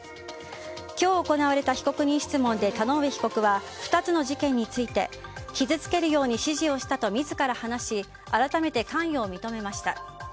今日行われた被告人質問で田上被告は２つの事件について傷つけるように指示をしたと自ら話し改めて関与を認めました。